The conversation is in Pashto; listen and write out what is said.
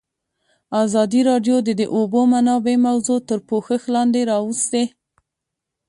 ازادي راډیو د د اوبو منابع موضوع تر پوښښ لاندې راوستې.